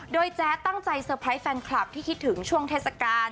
โดยแจ๊ดตั้งใจเซอร์ไพรส์แฟนคลับที่คิดถึงช่วงเทศกาล